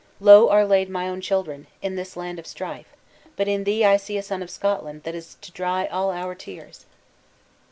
Low are laid my own children, in this land of strife, but in thee I see a son of Scotland that is to dry all our tears."